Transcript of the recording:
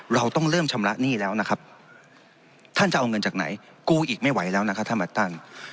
เราต้องเริ่มชำระหนี้แล้วนะครับท่านจะเอาเงินจากไหนกู้อีกไม่ไหวแล้วนะครับท่านอัดตัน